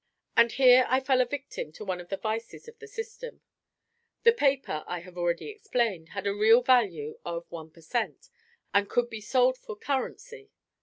And here I fell a victim to one of the vices of the system. The paper (I have already explained) had a real value of one per cent; and cost, and could be sold for, currency.